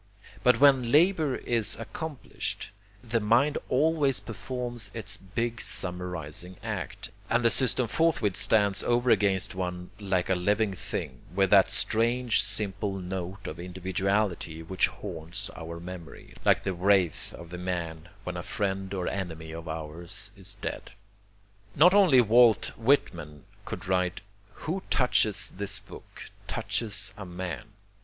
But when the labor is accomplished, the mind always performs its big summarizing act, and the system forthwith stands over against one like a living thing, with that strange simple note of individuality which haunts our memory, like the wraith of the man, when a friend or enemy of ours is dead. Not only Walt Whitman could write "who touches this book touches a man."